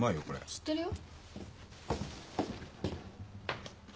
知ってるよ。